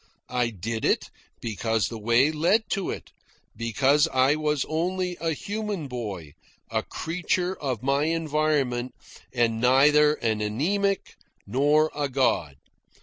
I did it because the way led to it, because I was only a human boy, a creature of my environment, and neither an anaemic nor a god.